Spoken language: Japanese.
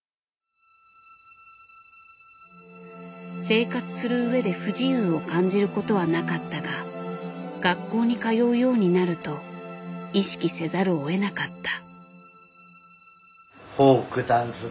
生活するうえで不自由を感じることはなかったが学校に通うようになると意識せざるをえなかった。